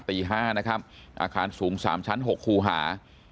ตี๕นะครับอาคารสูง๓ชั้น๖คูหา